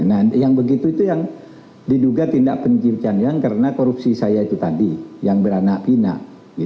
nah yang begitu itu yang diduga tindak pencucian uang karena korupsi saya itu tadi yang beranak inak